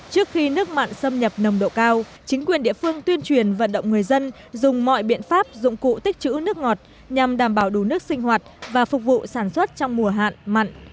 trước khi nước mặn xâm nhập nồng độ cao chính quyền địa phương tuyên truyền vận động người dân dùng mọi biện pháp dụng cụ tích chữ nước ngọt nhằm đảm bảo đủ nước sinh hoạt và phục vụ sản xuất trong mùa hạn mặn